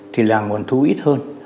thì là nguồn thu ít hơn